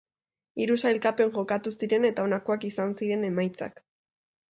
Hiru sailkapen jokatu ziren eta honakoak izan ziren emaitzak.